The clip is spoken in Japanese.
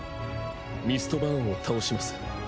ミストバーンを倒します。